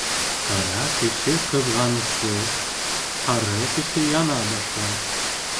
Ҡара кеше ҡыҙғансы, һары кеше яна башлай.